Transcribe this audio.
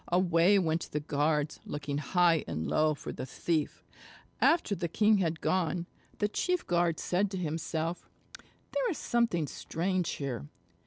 Away went the guards looking high and low for the thief. After the king had gone, the chief guard said to himself: "There is something strange here.